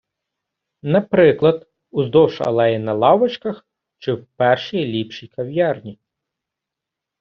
Наприклад, уздовж алеї на лавочках чи в першій - ліпшій кав’ярні.